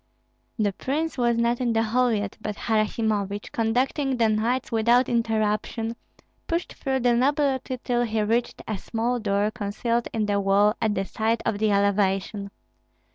The prince was not in the hall yet; but Harasimovich, conducting the knights without interruption, pushed through the nobility till he reached a small door concealed in the wall at the side of the elevation.